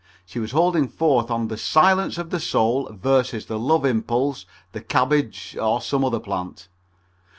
She was holding forth on the Silence of the Soul vs. the Love Impulse, the cabbage or some other plant.